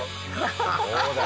そうだ。